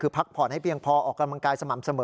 คือพักผ่อนให้เพียงพอออกกำลังกายสม่ำเสมอ